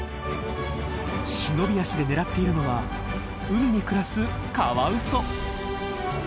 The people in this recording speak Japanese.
忍び足で狙っているのは海に暮らすカワウソ。